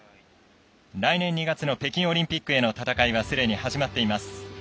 来年２月の北京オリンピックへの戦いはすでに始まっています。